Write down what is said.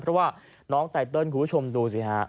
เพราะว่าน้องไตเติลคุณผู้ชมดูสิฮะ